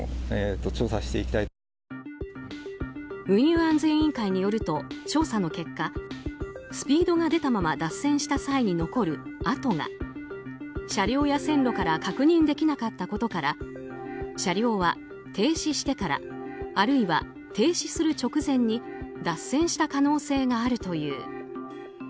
運輸安全委員会によると調査の結果、スピードが出たまま脱線した際に残る跡が車両や線路から確認できなかったことから車両は停止してからあるいは停止する直前に脱線した可能性があるという。